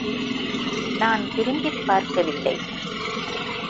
நான் திரும்பிப் பார்க்கவில்லை.